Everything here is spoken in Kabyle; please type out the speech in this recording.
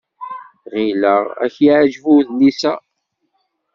Ɣileɣ ad k-yeɛjeb udlis-a.